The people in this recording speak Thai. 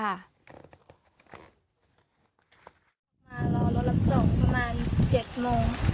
มารอรถรับส่งประมาณ๗โมง